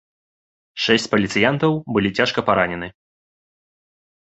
Шэсць паліцыянтаў былі цяжка паранены.